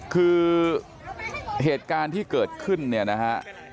คือเหตุการณ์ที่เกิดขึ้นเนี่ยนะฮะ